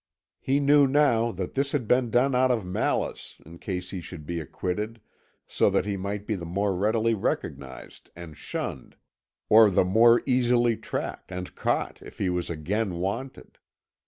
He knew now that this had been done out of malice, in case he should be acquitted, so that he might be the more readily recognised and shunned, or the more easily tracked and caught if he was again wanted.